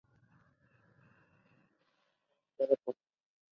Sin embargo el personaje no fue aceptado por Time.